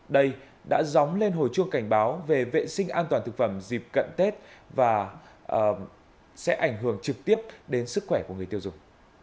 đây đã dóng lên hồi chuông cảnh báo về vệ sinh an toàn thực phẩm dịp cận tết và sẽ ảnh hưởng trực tiếp đến sức khỏe của người tiêu dùng